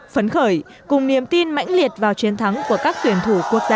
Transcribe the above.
phấn khởi cùng niềm tin mãnh liệt vào chiến thắng của các tuyển thủ quốc tế